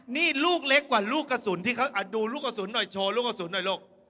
นี่ลูกเล็กกว่าลูกกระสุนที่เขาดูลูกกระสุนหน่อยโชว์ลูกกระสุนหน่อยลูก